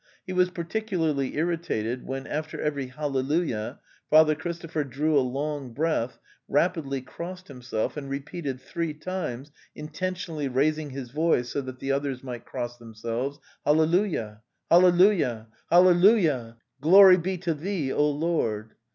He was particu larly irritated when, after every " Hallelujah," Father Christopher drew a long breath, rapidly crossed himself and repeated three times, intention ally raising his voice so that the others might cross themselves, '' Hallelujah, hallelujah, hallelujah! The Steppe 185 Glory be to Thee, O Lord!"